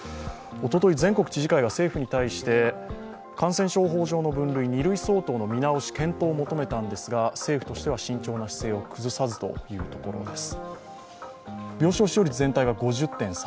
おととい全国知事会は政府に対して感染症法上の分類２類相当の見直し、検討を求めたのですが政府としては慎重な姿勢を崩さずというところです。